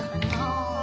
ああ。